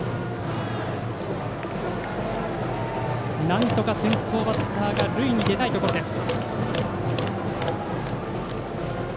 なんとか先頭バッターが塁に出たいところです。